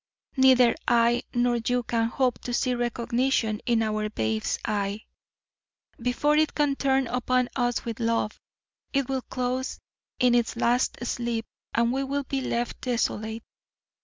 Neither I nor you can hope to see recognition in our babe's eye. Before it can turn upon us with love, it will close in its last sleep and we will be left desolate.